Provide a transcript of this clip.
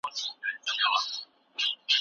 تشو شعارونو هېواد ته خیر ونه رساوه.